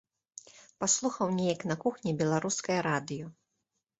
Паслухаў неяк на кухні беларускае радыё.